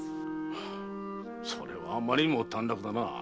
それはあまりにも短絡だなあ。